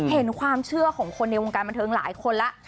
เห็นความเชื่อของคนในวงการบันเทิงหลายคนแล้ว